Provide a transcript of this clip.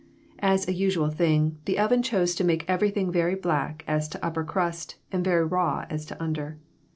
As a usual thing, the oven chose to make everything very black as to upper crust, and very raw as to under.